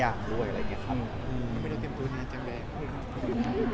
ทำไมต้องเตรียมตัวอย่างนั้นจังแบบ